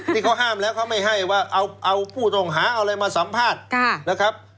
ที่เขาห้ามแล้วเขาไม่ให้ว่าเอาผู้ต้องหาเอาอะไรมาสัมภาษณ์นะครับ